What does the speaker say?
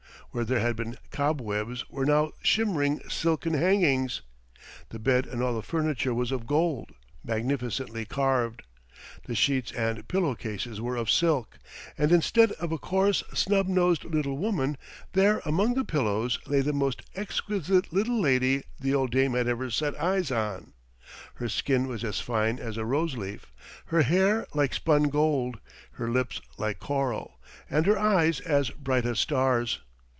Where there had been cobwebs were now shimmering silken hangings. The bed and all the furniture was of gold, magnificently carved. The sheets and pillow cases were of silk, and instead of a coarse, snub nosed little woman, there among the pillows lay the most exquisite little lady the old dame had ever set eyes on; her skin was as fine as a rose leaf, her hair like spun gold, her lips like coral, and her eyes as bright as stars.